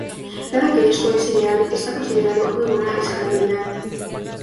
Dado que esto es ideal, está considerado muy buena escalabilidad.